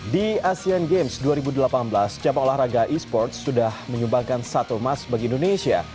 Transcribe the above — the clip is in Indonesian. di asean games dua ribu delapan belas cabang olahraga e sports sudah menyumbangkan satu emas bagi indonesia